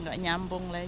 nggak nyambung lagi ya